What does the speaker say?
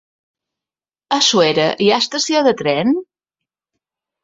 A Suera hi ha estació de tren?